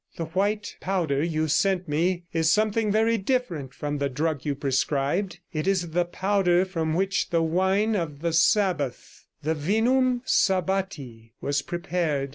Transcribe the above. The white powder you sent me is something very different from the drug you prescribed; it is the powder from which the wine of the Sabbath, the Vinum Sabbati, was prepared.